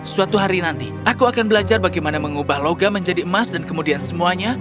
suatu hari nanti aku akan belajar bagaimana mengubah logam menjadi emas dan kemudian semuanya